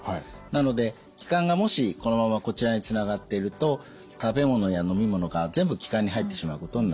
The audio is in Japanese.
なので気管がもしこのままこちらにつながっていると食べ物や飲み物が全部気管に入ってしまうことになってしまう。